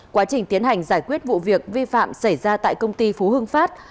quá trình tiến hành giải quyết vụ việc vi phạm xảy ra tại công ty phú hưng phát